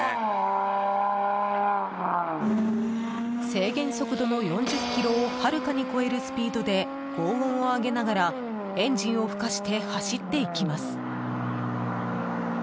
制限速度の４０キロをはるかに超えるスピードで轟音を上げながらエンジンをふかして走っていきます。